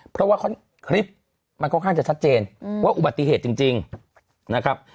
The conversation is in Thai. เพราะว่าคลิปมันค่อนข้างจะชัดเจนว่าอุบัติเหตุจริงนะครับ